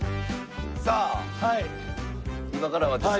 さあ今からはですね。